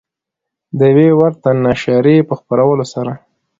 د یوې ورته نشریې په خپرولو سره